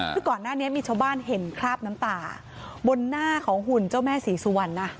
คือก่อนหน้านี้มีชาวบ้านเห็นคราบน้ำตาบนหน้าของหุ่นเจ้าแม่ศรีสุวรรณนะ